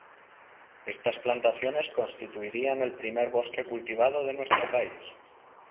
Estas plantaciones constituirían el primer bosque cultivado de nuestro país.